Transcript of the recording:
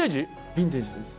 ビンテージです。